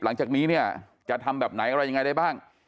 หลังจากนี้เนี่ยจะทำแบบไหนอะไรยังไงได้บ้าง